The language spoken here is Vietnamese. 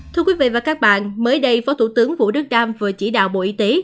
thưa quý vị và các bạn mới đây phó thủ tướng vũ đức đam vừa chỉ đạo bộ y tế